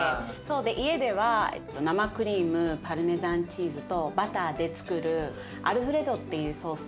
家では生クリームパルメザンチーズとバターでつくるアルフレッドっていうソースをつくる。